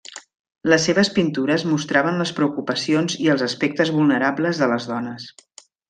Les seves pintures mostraven les preocupacions i els aspectes vulnerables de les dones.